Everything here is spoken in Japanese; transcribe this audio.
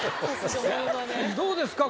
どうですか？